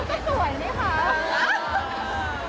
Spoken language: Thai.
เราก็สวยเลยค่ะ